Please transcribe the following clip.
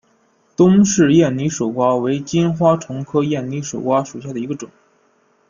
东氏艳拟守瓜为金花虫科艳拟守瓜属下的一个种。